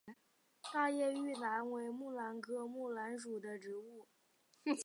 大叶玉兰为木兰科木兰属的植物。